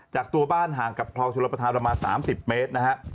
จากตัวบ้านห่างกับคลองชลประธานประมาณ๓๐เมตรนะฮะ